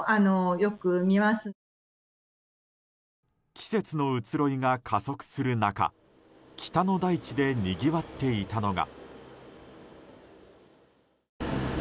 季節の移ろいが加速する中北の大地でにぎわっていたのが。